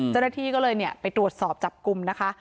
เจ้าหน้าที่ก็เลยไปตรวจสอบจับกลุ่มนะคะ